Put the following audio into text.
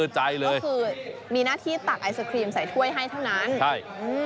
ใช่